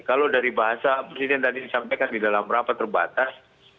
kalau dari bahasa presiden tadi disampaikan di dalam rapat terbatas